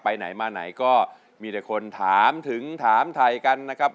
ไปไหนมาไหนก็มีแต่คนถามถึงถามถ่ายกันนะครับ